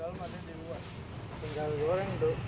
bagian dalam ada yang buah